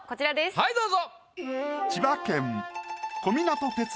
はいどうぞ。